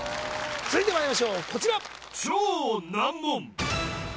続いてまいりましょうこちら